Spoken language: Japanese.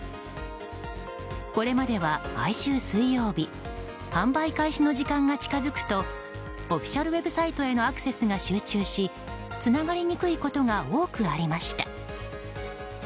これまでは毎週水曜日販売開始の時間が近づくとオフィシャルウェブサイトへのアクセスが集中しつながりにくいことが多くありました。